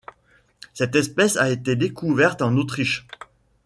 Cette espèce a été découverte en Autriche.